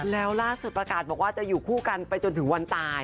แล้วล่าสุดประกาศบอกว่าจะอยู่คู่กันไปจนถึงวันตาย